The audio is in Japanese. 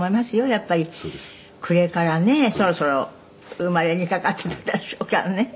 「やっぱり暮れからねそろそろ産まれにかかってたでしょうからね」